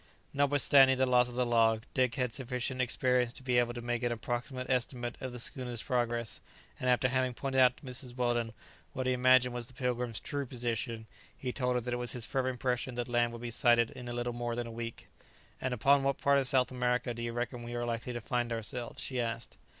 ] Notwithstanding the loss of the log, Dick had sufficient experience to be able to make an approximate estimate of the schooner's progress, and after having pointed out to Mrs. Weldon what he imagined was the "Pilgrim's" true position, he told her that it was his firm impression that land would be sighted in little more than a week. "And upon what part of South America do you reckon we are likely to find ourselves?" she asked.